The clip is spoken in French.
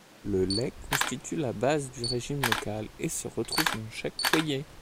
Le lait constitue la base du régime local et se retrouve dans chaque foyer.